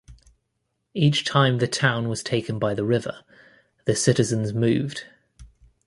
Each time the town was taken by the river, the citizens moved.